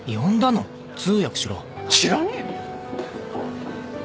知らねえよ！